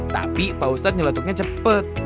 tapi pak ustadz nyeletuknya cepat